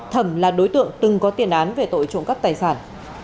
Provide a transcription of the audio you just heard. thẩm là đối tượng từng có tiền án về tội trộn cấp tài sản